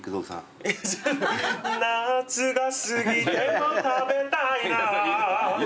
「夏が過ぎても食べたいな」